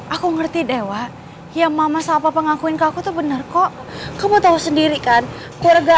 aku ngerti dewa ya mama sahabat pengakuin ke aku tuh bener kok kamu tahu sendiri kan keluarga